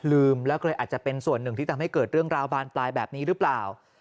แล้วก็เลยอาจจะเป็นส่วนหนึ่งที่ทำให้เกิดเรื่องราวบานปลายแบบนี้หรือเปล่า